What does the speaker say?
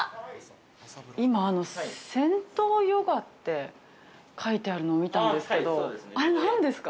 今、銭湯ヨガって書いてあるのを見たんですけど、あれ何ですか？